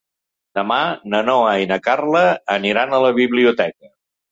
Demà na Noa i na Carla aniran a la biblioteca.